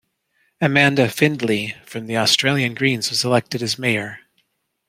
Amanda Findley from the Australian Greens was elected as Mayor.